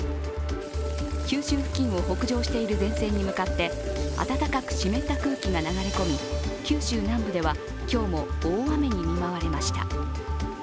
九州付近を北上している前線に向かって暖かく湿った空気が流れ込み九州南部では今日も大雨に見舞われました。